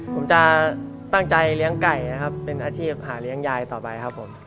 ผมจะตั้งใจเลี้ยงไก่นะครับเป็นอาชีพหาเลี้ยงยายต่อไปครับผม